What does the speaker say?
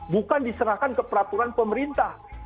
bukan diserahkan ke peraturan pemerintah